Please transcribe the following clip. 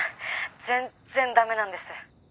全然ダメなんです。